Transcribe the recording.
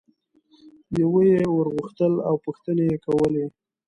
یوه یي ور غوښتل او پوښتنې یې کولې.